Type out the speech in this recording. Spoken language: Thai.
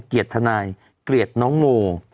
เกลียดทนายเกลียดน้องโม